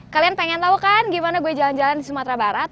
kalian pengen tahu kan gimana gue jalan jalan di sumatera barat